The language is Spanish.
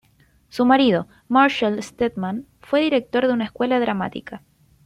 Su marido, Marshall Stedman, fue director de una escuela dramática.